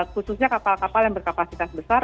khususnya kapal kapal yang berkapasitas besar